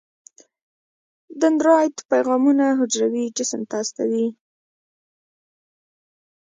دندرایت پیغامونه حجروي جسم ته استوي.